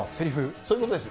そういうことです。